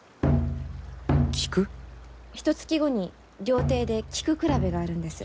ひとつき後に料亭で菊比べがあるんです。